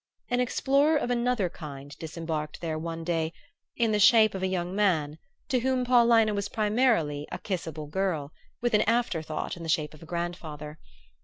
An explorer of another kind disembarked there one day in the shape of a young man to whom Paulina was primarily a kissable girl, with an after thought in the shape of a grandfather.